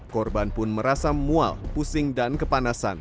korban pun merasa mual pusing dan kepanasan